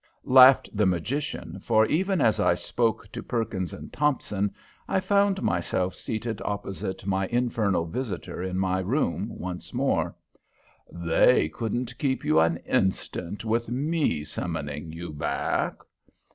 laughed the magician, for even as I spoke to Perkins and Tompson I found myself seated opposite my infernal visitor in my room once more. "They couldn't keep you an instant with me summoning you back."